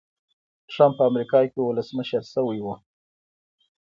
ټرمپ په امریکا کې ولسمشر شوی و.